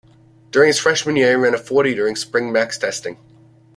During his freshman year, he ran a forty during spring max testing.